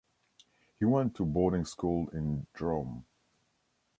He went to boarding school in Drôme.